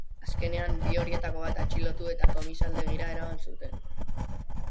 Azkenean, bi horietako bat atxilotu eta komisaldegira eraman zuten.